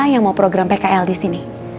yang mau program pkl di sini